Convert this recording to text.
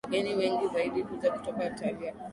Wageni wengi zaidi huja hutoka Italia